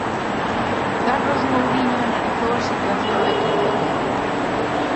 Carlos Mouriño analizou a situación do equipo, Terio.